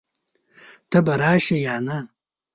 ته به راشې يا نه؟